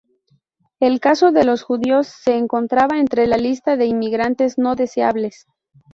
El caso de los judíos se encontraba entre la lista de inmigrantes no deseables.